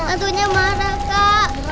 akunya marah kak